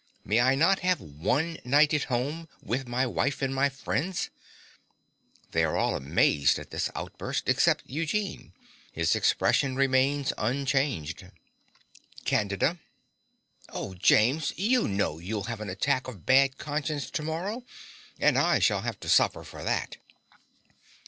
May I not have ONE night at home, with my wife, and my friends? (They are all amazed at this outburst, except Eugene. His expression remains unchanged.) CANDIDA. Oh, James, you know you'll have an attack of bad conscience to morrow; and I shall have to suffer for that.